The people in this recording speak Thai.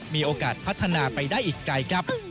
มีโอกาสพัฒนาไปได้อีกไกลครับ